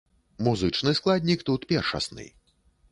Музычны складнік тут першасны.